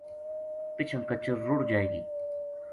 پِچھاں کچر رُڑ جائے گی